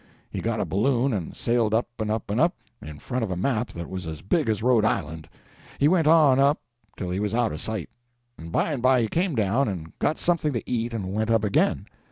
He got a balloon and sailed up and up and up, in front of a map that was as big as Rhode Island. He went on up till he was out of sight, and by and by he came down and got something to eat and went up again.